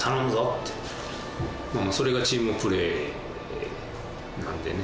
まあそれがチームプレーなんでね。